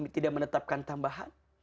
tidak menetapkan tambahan